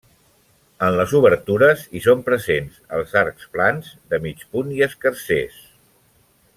En les obertures hi són presents els arcs plans, de mig punt i escarsers.